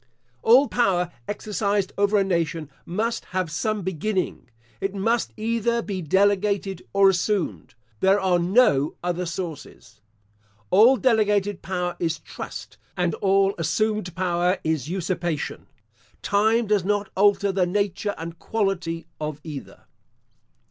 All power exercised over a nation, must have some beginning. It must either be delegated or assumed. There are no other sources. All delegated power is trust, and all assumed power is usurpation. Time does not alter the nature and quality of either.